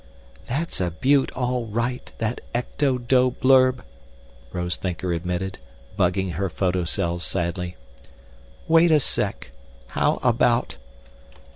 "That's a beaut, all right, that ecto dough blurb," Rose Thinker admitted, bugging her photocells sadly. "Wait a sec. How about?